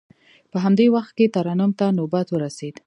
په همدې وخت کې ترنم ته نوبت ورسید.